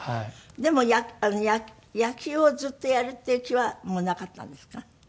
でも野球をずっとやるっていう気はもうなかったんですか？